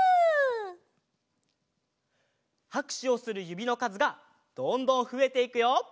はくしゅをするゆびのかずがどんどんふえていくよ。